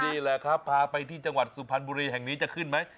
นี่แหละครับพาไปที่จังหวัดสุพรรณบุรีแห่งนี้จะขึ้นไหม